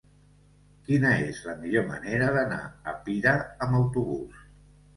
Quina és la millor manera d'anar a Pira amb autobús?